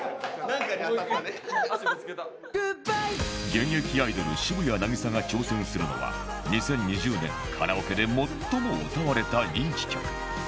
現役アイドル渋谷凪咲が挑戦するのは２０２０年カラオケで最も歌われた人気曲